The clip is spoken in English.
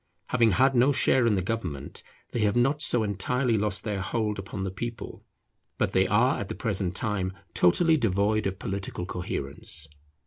Having had no share in the government, they have not so entirely lost their hold upon the people; but they are at the present time totally devoid of political coherence.